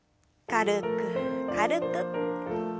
軽く軽く。